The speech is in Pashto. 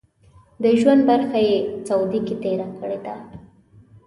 د ژوند برخه یې سعودي کې تېره کړې وه.